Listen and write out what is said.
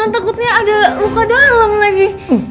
takutnya ada luka dalam lagi